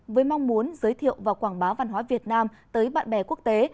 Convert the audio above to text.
với mong muốn giới thiệu và quảng bá văn hóa việt nam tới bạn bè quốc tế